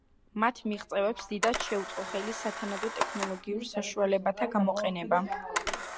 მათ მიღწევებს დიდად შეუწყო ხელი სათანადო ტექნოლოგიურ საშუალებათა გამოყენებამ.